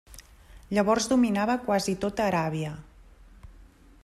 Llavors dominava quasi tota Aràbia.